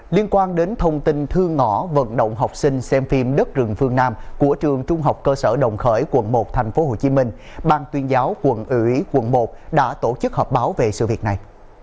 liên quan đến thông tin thư ngõ vận động học sinh xem phim đất rừng phương nam của trường trung học cơ sở đồng khởi quận một tp hcm bang tuyên giáo quận ủy quận một đã tổ chức họp báo về sự việc này